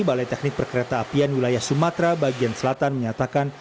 balai teknik perkereta apian wilayah sumatera bagian selatan menyatakan